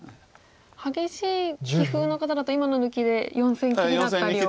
激しい棋風の方だと今の抜きで４線切りだったりを。